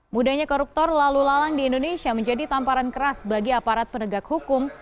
mudahnya koruptor lalu lalang di indonesia menjadi tamparan keras bagi aparat penegak hukum